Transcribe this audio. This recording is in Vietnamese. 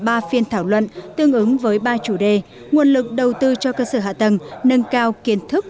ba phiên thảo luận tương ứng với ba chủ đề nguồn lực đầu tư cho cơ sở hạ tầng nâng cao kiến thức